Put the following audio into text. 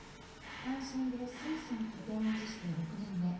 単身でスイスに拠点を移して６年目。